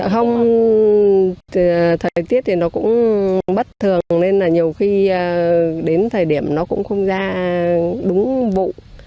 không thời tiết thì nó cũng bất thường nên là nhiều khi đến thời điểm nó cũng không ra đúng bụng